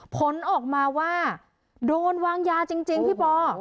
ผลออกมาว่าโดนวางยาจริงพี่ปอ